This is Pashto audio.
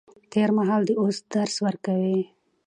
تېر مهال د اوس درس ورکوي.